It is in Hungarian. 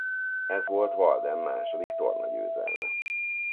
Ez volt Walden második tornagyőzelme.